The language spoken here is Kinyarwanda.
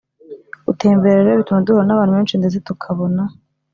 gutembera rero bituma duhura n’abantu benshi ndetse tukabona